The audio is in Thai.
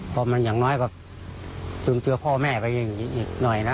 เพราะมันอย่างน้อยก็จึงเจอพ่อแม่ไปอีกหน่อยนะ